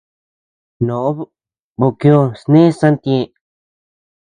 No bokioo sné santieʼe.